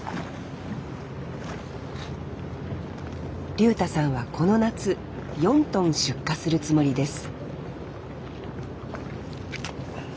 竜太さんはこの夏４トン出荷するつもりです